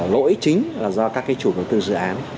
lỗi chính là do các cái chủ đầu tư dự án